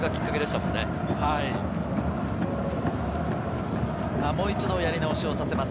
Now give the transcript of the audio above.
もう一度、やり直しをさせます。